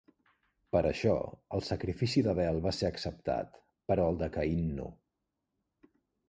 Per això, el sacrifici d'Abel va ser acceptat, però el de Caín no.